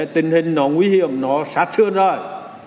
tình hình nó nguy hiểm nó sát sơn rồi